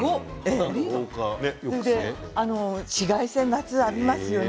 夏は紫外線を浴びますよね